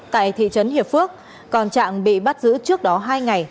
tại thị trấn hiệp phước còn trạng bị bắt giữ trước đó hai ngày